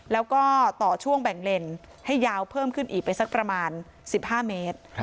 แล้วก็ต่อช่วงแบ่งเลนให้ยาวเพิ่มขึ้นอีกไปสักประมาณ๑๕เมตร